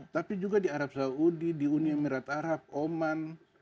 tapi juga di arab saudi di uni emirat arab oman